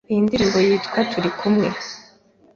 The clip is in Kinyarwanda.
Iyo ndirimbo yitwa Turi Kumwe